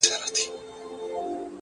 راځه رحچيږه بيا په قهر راته جام دی پير ـ